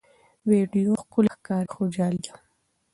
ویډیو ښکلي ښکاري خو جعلي ده.